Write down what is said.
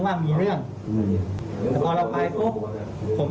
แต่พอเรากลับไปครบ